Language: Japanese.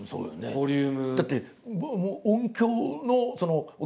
ボリューム。